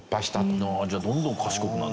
じゃあどんどん賢くなる。